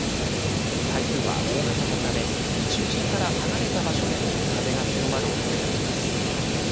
台風は大型のため中心から離れた場所でも風が強まるおそれがあります。